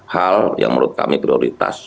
hal yang menurut kami prioritas